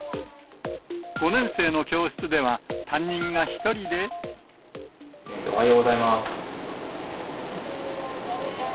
５年生の教室では、おはようございます。